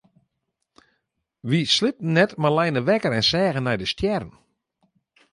Wy sliepten net mar leine wekker en seagen nei de stjerren.